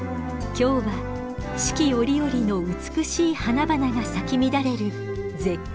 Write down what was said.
今日は四季折々の美しい花々が咲き乱れる絶景を走ります。